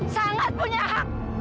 sangat punya hak